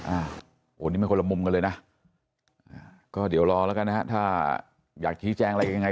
อันนี้มันคนละมุมกันเลยนะอ่าก็เดี๋ยวรอแล้วกันนะฮะถ้าอยากชี้แจงอะไรยังไง